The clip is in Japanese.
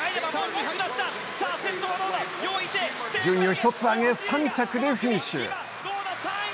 順位を１つ上げ３着でフィニッシュ。